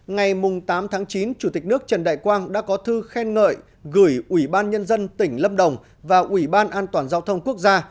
ngày tám tháng chín chủ tịch nước trần đại quang đã có thư khen ngợi gửi ủy ban nhân dân tỉnh lâm đồng và ủy ban an toàn giao thông quốc gia